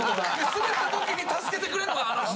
スベった時に助けてくれんのがあの人！